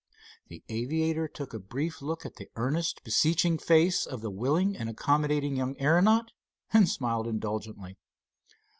The aviator took a brief look at the earnest, beseeching face of the willing and accommodating young aeronaut, and smiled indulgently.